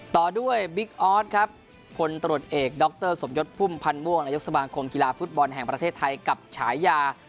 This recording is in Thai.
ต่อด้วยบิ๊กออสครับพลตรวจเอกดรสมยศพุ่มพันธ์ม่วงนายกสมาคมกีฬาฟุตบอลแห่งประเทศไทยกับฉายา